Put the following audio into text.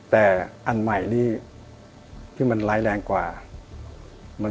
แต่อันใหม่นี่ที่มันร้ายแรงกว่า